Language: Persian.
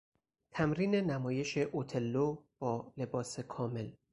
تمرین نمایش اوتللو با لباس کامل